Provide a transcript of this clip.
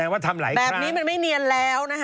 ว่าแบบนี้มันไม่เนียนแล้วนะฮะ